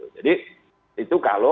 jadi itu kalau